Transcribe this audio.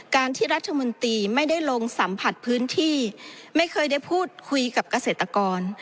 การที่รัฐมนตรีไม่ได้ลงสัมผัสพื้นที่ไม่เคยได้พูดคุยกับเกษตรกร